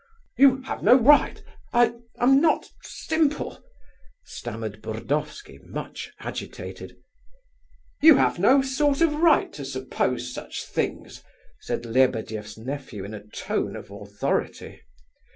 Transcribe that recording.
"You have no right.... I am not simple," stammered Burdovsky, much agitated. "You have no sort of right to suppose such things," said Lebedeff's nephew in a tone of authority.